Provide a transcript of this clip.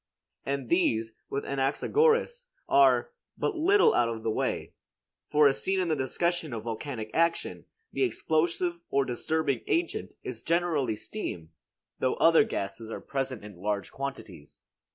And these, with Anaxagoras, are but little out of the way; for as seen in the discussion of volcanic action, the explosive or disturbing agent is generally steam, though other gases are present in large quantities.